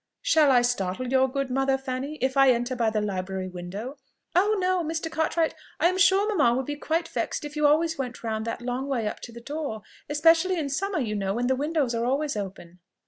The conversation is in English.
Shall I startle your good mother, Fanny, if I enter by the library window?" "Oh no! Mr. Cartwright I am sure mamma would be quite vexed if you always went round that long way up to the door, especially in summer you know, when the windows are always open."